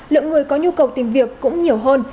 lượng người có nhu cầu tìm việc cũng nhiều hơn